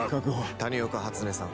谷岡初音さん